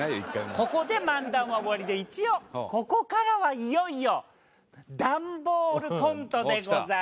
ここで漫談は終わりで一応ここからはいよいよダンボールコントでございます。